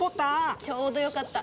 ちょうどよかった。